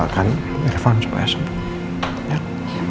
kita sama sama yuk